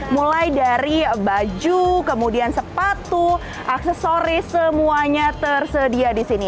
mulai dari baju kemudian sepatu aksesoris semuanya tersedia di sini